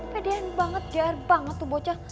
pedean banget jarang banget tuh bocah